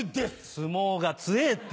相撲が強えぇって！